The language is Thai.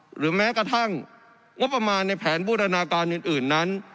หรือแม้กระทั่งงบประมาณในแผนบูรณาการอื่นนั้น